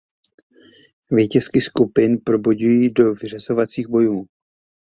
Vítězky skupin postoupily do vyřazovacích bojů.